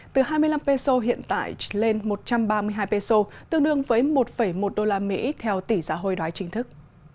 từ hai mươi năm peso hiện tại lên một trăm ba mươi hai peso tương đương với một một đô la mỹ theo tỷ giá hồi đoái chính thức